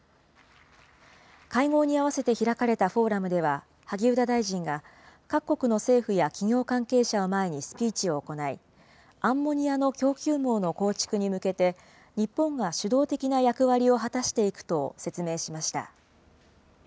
会合に合わせて開かれたフォーラムでは、萩生田大臣が、各国の政府や企業関係者を前にスピーチを行い、アンモニアの供給網の構築に向けて、日本が主導的な役割を果たしていくと説明しました。